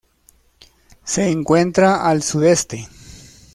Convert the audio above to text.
Se encuentra al sudeste.